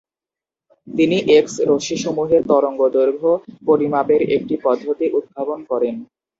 তিনি এক্স-রশ্মিসমূহের তরঙ্গদৈর্ঘ্য পরিমাপের একটি পদ্ধতি উদ্ভাবন করেন।